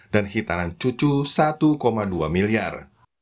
dan hitanan cucu rp satu dua miliar